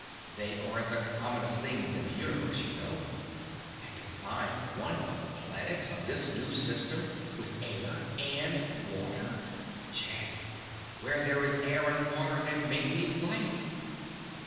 They aren't the commonest things in the universe, you know. And to find one of the planets of this new system with air and water Jed, where there is air and water there may be life!"